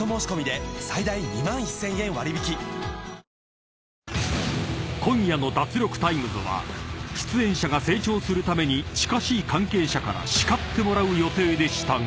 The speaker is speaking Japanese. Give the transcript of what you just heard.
糖質ゼロ［今夜の『脱力タイムズ』は出演者が成長するために近しい関係者から叱ってもらう予定でしたが］